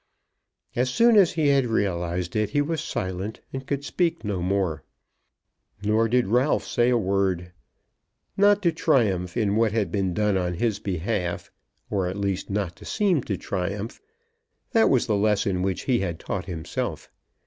As soon as he had realised it, he was silent and could speak no more. Nor did Ralph say a word. Not to triumph in what had been done on his behalf, or at least not to seem to triumph, that was the lesson which he had taught himself.